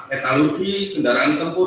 etalogi kendaraan tempur